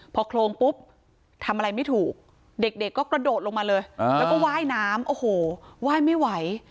พอโครงปุ๊บทำอะไรไม่ถูกเด็กก็กระโดดลงมาเลยแล้วก็ว่ายน้ำโอ้โหไหว้ไม่ไหว